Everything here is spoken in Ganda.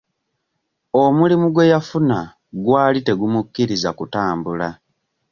Omulimu gwe yafuna gwali tegumukkiriza kutambula.